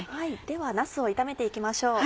ではなすを炒めて行きましょう。